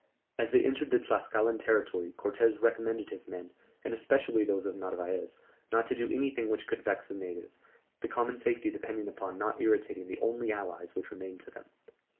As they entered the Tlascalan territory Cortès recommended his men, and especially those of Narvaez, not to do anything which could vex the natives, the common safety depending upon not irritating the only allies which remained to them.